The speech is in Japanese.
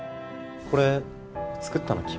これ作ったの君？